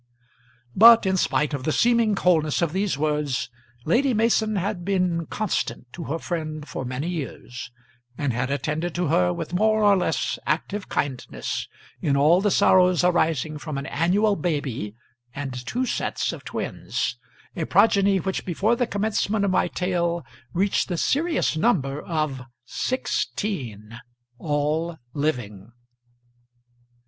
But, in spite of the seeming coldness of these words, Lady Mason had been constant to her friend for many years, and had attended to her with more or less active kindness in all the sorrows arising from an annual baby and two sets of twins a progeny which before the commencement of my tale reached the serious number of sixteen, all living.